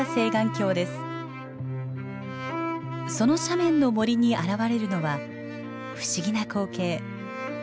その斜面の森に現れるのは不思議な光景。